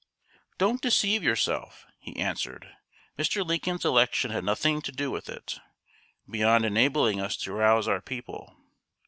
] "Don't deceive yourself," he answered. "Mr. Lincoln's election had nothing to do with it, beyond enabling us to rouse our people.